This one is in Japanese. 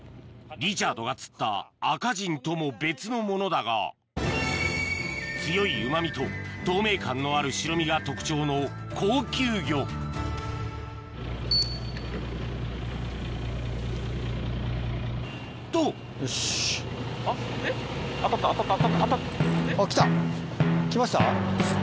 リチャードが釣ったアカジンとも別のものだが強いうま味と透明感のある白身が特徴の高級魚と来ました？